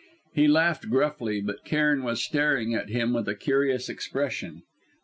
He laughed gruffly, but Cairn was staring at him with a curious expression.